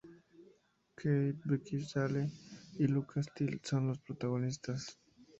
Kate Beckinsale y Lucas Till son los protagonistas.